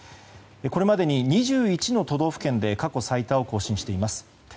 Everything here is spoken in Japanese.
これまでに２１の都道府県で過去最多を更新しています。